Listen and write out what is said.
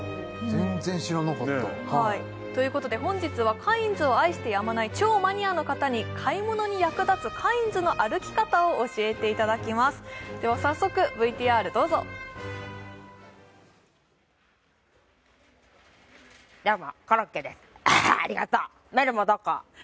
全然知らなかったねえということで本日はカインズを愛してやまない超マニアの方に買い物に役立つカインズの歩き方を教えていただきますでは早速ＶＴＲどうぞあはっありがとうメルモどこ？